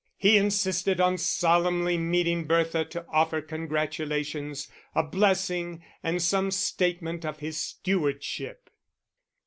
He insisted on solemnly meeting Bertha to offer congratulations, a blessing, and some statement of his stewardship.